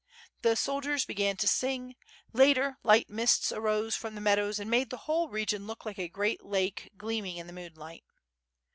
The soldiers began to sing; later, light mists arose from the meadows and made the whole region look like a great lake gleaming in the moonlight.